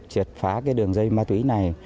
triệt phá đường dây ma túy này